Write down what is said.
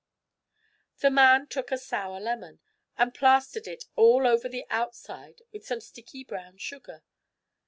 The man took a sour lemon, and plastered it all on the outside with some sticky brown sugar.